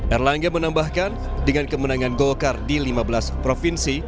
erlangga menambahkan dengan kemenangan golkar di lima belas provinsi